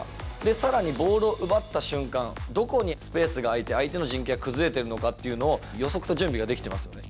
さらにボールを奪った瞬間、どこにスペースが空いて、相手の陣形が崩れているのかっていうのが予測と準備ができてますよね。